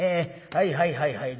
はいはいはいはい。